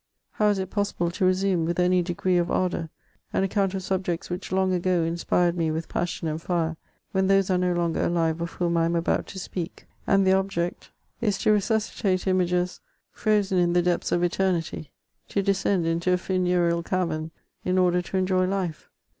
How is it possible to resume, with any degree of ardour, an account of subjects which long ago inspired me with passion and fire, when those are no longer alive of whom I am about to speak, and the object is to resuscitate images frozen in the depths of eternity ; to descend into a funereal cavern, in order to enjoy life